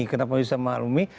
kenapa bisa memaklumi